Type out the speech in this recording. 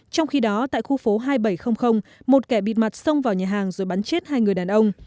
trong khi đó tại khu phố hai nghìn bảy trăm linh một kẻ bịt mặt xông vào nhà hàng rồi bắn chết hai người đàn ông